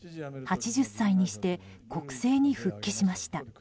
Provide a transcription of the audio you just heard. ８０歳にして国政に復帰しました。